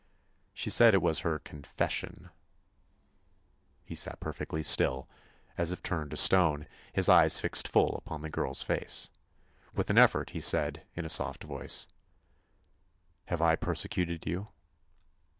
She said it was her confession." He sat perfectly still, as if turned to stone, his eyes fixed full upon the girl's face. With an effort he said, in a soft voice: "Have I persecuted you?"